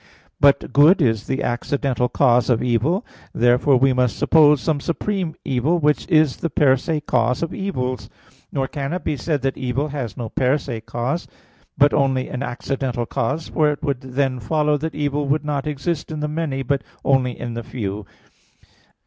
_ But good is the accidental cause of evil. Therefore, we must suppose some supreme evil which is the per se cause of evils. Nor can it be said that evil has no per se cause, but only an accidental cause; for it would then follow that evil would not exist in the many, but only in the few.